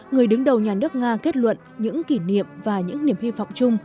người đứng đầu nhà nước nga kết luận những kỷ niệm và những niềm hy vọng chung